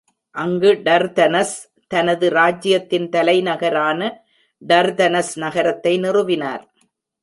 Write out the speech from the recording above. அங்கு டர்தனஸ் தனது ராஜ்யத்தின் தலைநகரான டர்தனஸ் நகரத்தை நிறுவினார்.